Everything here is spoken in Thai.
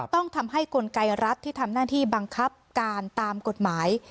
ต้องทำให้กลไกรรัฐที่ทำหน้าที่บังคับการตามกฎหมาย